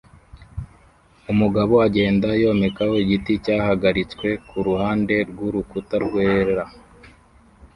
Umugabo agenda yomekaho igiti cyahagaritswe kuruhande rwurukuta rwera